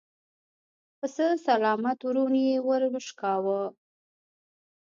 د پسه سلامت ورون يې ور وشکاوه.